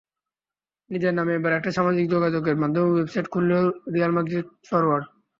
নিজের নামে এবার একটা সামাজিক যোগাযোগমাধ্যম ওয়েবসাইটই খুললেন রিয়াল মাদ্রিদ ফরোয়ার্ড।